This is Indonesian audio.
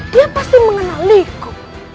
dia pasti mengenaliku